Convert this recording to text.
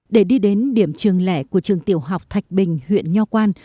để đi đến điểm trường lẻ của trường tiểu học thạch bình huyện nho quan